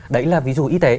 đấy là ví dụ y tế